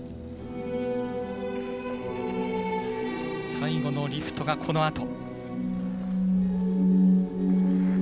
最後のリフトがこのあと。